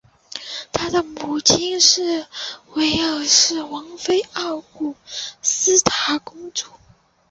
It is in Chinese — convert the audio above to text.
他的母亲是威尔士王妃奥古斯塔公主。